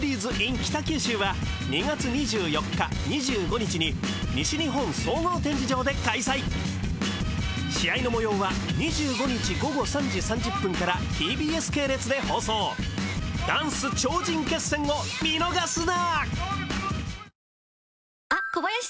北九州は２月２４日・２５日に西日本総合展示場で開催試合のもようは２５日午後３時３０分からＴＢＳ系列で放送ダンス超人決戦を見逃すな！